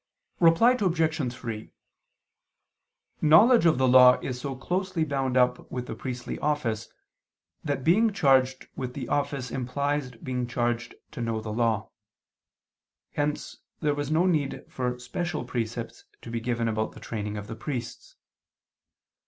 Reply Obj. 3: Knowledge of the Law is so closely bound up with the priestly office that being charged with the office implies being charged to know the Law: hence there was no need for special precepts to be given about the training of the priests.